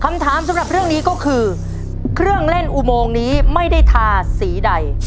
คำถามสำหรับเรื่องนี้ก็คือเครื่องเล่นอุโมงนี้ไม่ได้ทาสีใด